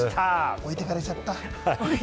置いてかれちゃった。